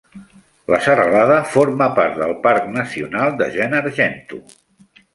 La serralada forma part del parc nacional de Gennargentu.